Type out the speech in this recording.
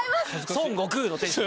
「孫悟空」のテンション。